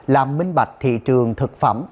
làm minh bạch thị trường thực phẩm